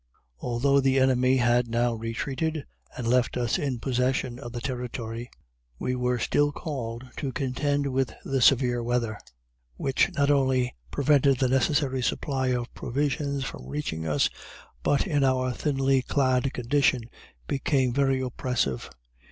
Although the enemy had now retreated and left us in possession of the Territory, we were still called to contend with the severe weather, which not only prevented the necessary supply of provisions from reaching us, but in our thinly clad condition became very oppressive.